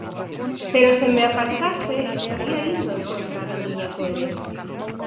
Pero se me apartase estaría indo en contra da miña coherencia.